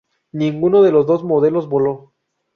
Ninguno de los dos modelos voló.